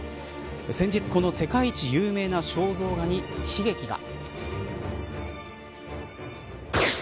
先日、この世界一有名な肖像画に悲劇が。